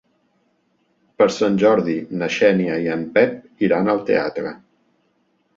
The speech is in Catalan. Per Sant Jordi na Xènia i en Pep iran al teatre.